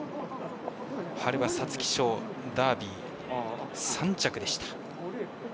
春は皐月賞、ダービー３着でした。